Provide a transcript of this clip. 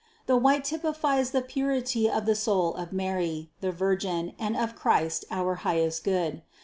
The white typifies the purity of the soul of Mary, the Virgin, and of Christ, our highest good.